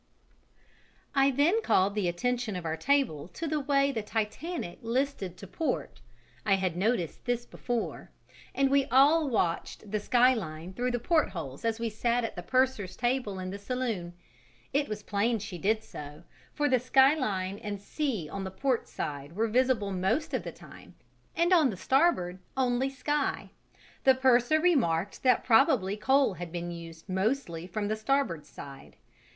I then called the attention of our table to the way the Titanic listed to port (I had noticed this before), and we all watched the sky line through the portholes as we sat at the purser's table in the saloon: it was plain she did so, for the sky line and sea on the port side were visible most of the time and on the starboard only sky. The purser remarked that probably coal had been used mostly from the starboard side.